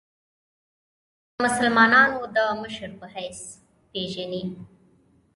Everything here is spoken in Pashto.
د مسلمانانو د مشر په حیث پېژني.